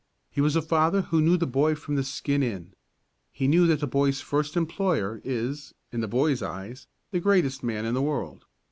He was a father who knew the boy from the skin in. He knew that the boy's first employer is, in the boy's eyes, the greatest man in the world.